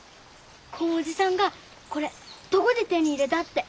こんおじさんがこれどごで手に入れだって。